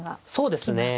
そうですね。